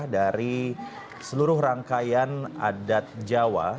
dari seluruh rangkaian adat jawa